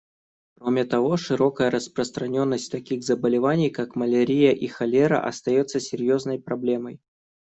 Кроме того, широкая распространенность таких заболеваний, как малярия и холера, остается серьезной проблемой.